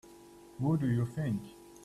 Who do you think?